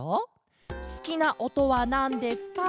「すきなおとはなんですか？」